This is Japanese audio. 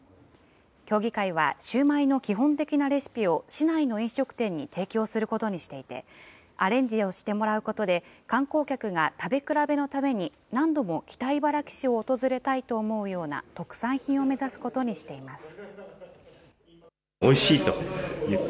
協議会はシューマイの基本的なレシピを市内の飲食店に提供することにしていて、アレンジをしてもらうことで、観光客が食べ比べのために何度も北茨城市を訪れたいと思うような特産品を目指すことにしています。